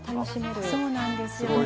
そうなんですよね。